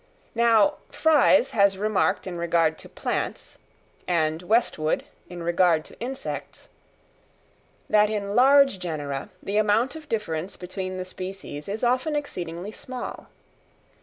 Now Fries has remarked in regard to plants, and Westwood in regard to insects, that in large genera the amount of difference between the species is often exceedingly small.